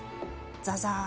ザザー。